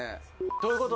どういうこと？